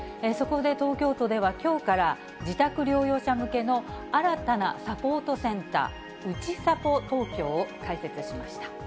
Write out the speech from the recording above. そこで、東京都ではきょうから、自宅療養者向けの新たなサポートセンター、うちさぽ東京を開設しました。